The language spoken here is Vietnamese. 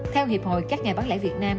theo hiệp hội các ngày bán lãi việt nam